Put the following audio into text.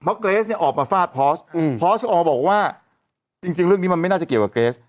เพราะเกรสเนี่ยออกมาฟาดพอสพชออกมาบอกว่าจริงเรื่องนี้มันไม่น่าจะเกี่ยวกับเกรสพ